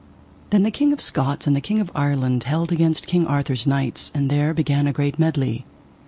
Then the King of Scots and the King of Ireland held against King Arthur's knights, and there began a great medley.